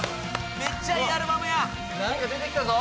・めっちゃいいアルバムや何か出てきたぞ